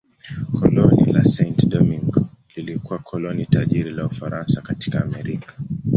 Koloni la Saint-Domingue lilikuwa koloni tajiri la Ufaransa katika Amerika.